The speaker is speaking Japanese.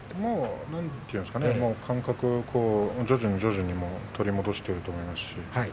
感覚を徐々に徐々に取り戻していると思います。